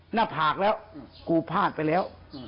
หน้าผากแล้วกูพลาดไปแล้ว